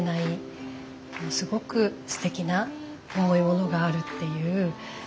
すごくすてきな重いものがあるっていう。